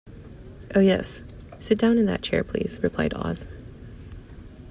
"Oh, yes; sit down in that chair, please," replied Oz.